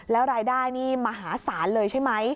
แล้วรายได้นี่มหาศาลเลยใช่ไหม